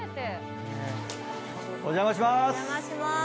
お邪魔します！